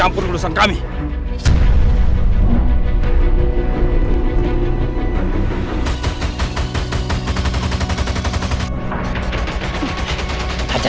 lu gak usah lindungi dia dah